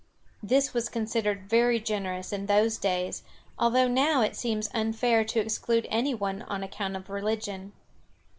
This was considered very generous in those days, although it now seems unfair to exclude anyone on account of religion.